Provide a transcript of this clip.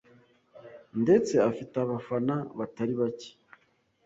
ndetse afite abafana batari bake